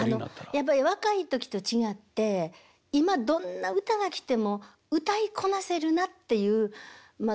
やっぱり若い時と違って今どんな歌が来ても歌いこなせるなっていうまあ